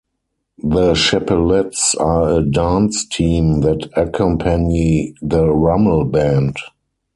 The Chapellettes are a dance team that accompany the Rummel Band.